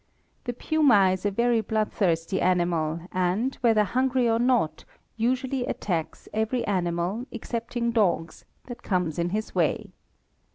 The puma is a very bloodthirsty animal, and whether hungry or not, usually attacks every animal, excepting dogs, that comes in his way.